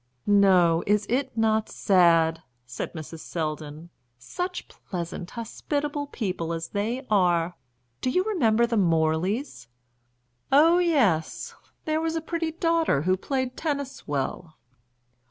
"No; is it not sad?" said Mrs. Selldon. "Such pleasant, hospitable people as they are! Do you remember the Morleys?" "Oh yes! There was a pretty daughter who played tennis well."